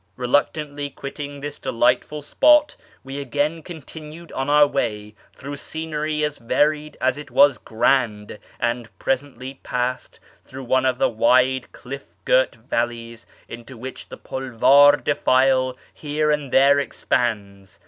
Eeluctantly quitting this delightful spot, we again con tinued on our way through scenery as varied as it was grand, and presently passed through one of the wide cliff girt valleys into W'hich the Pulvar defile here and there expands.